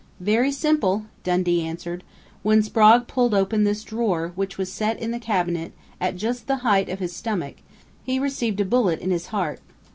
"Very simple!" Dundee answered. "When Sprague pulled open this drawer, which was set in the cabinet at just the height of his stomach, he received a bullet in his heart....